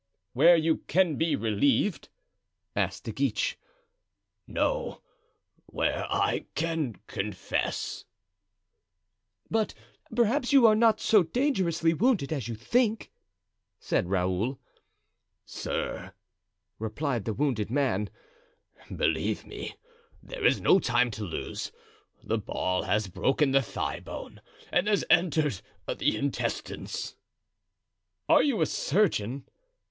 "Where you can be relieved?" asked De Guiche. "No, where I can confess." "But perhaps you are not so dangerously wounded as you think," said Raoul. "Sir," replied the wounded man, "believe me, there is no time to lose; the ball has broken the thigh bone and entered the intestines." "Are you a surgeon?"